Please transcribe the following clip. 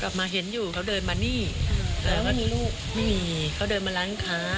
มาเห็นอยู่เขาเดินมานี่แล้วไม่มีลูกไม่มีเขาเดินมาร้านค้า